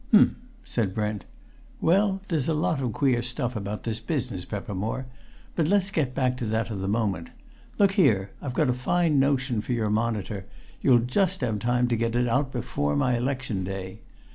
"Um," said Brent. "Well, there's a lot of queer stuff about this business, Peppermore. But let's get back to that of the moment. Look here, I've got a fine notion for your Monitor you'll just have time to get it out before my election day.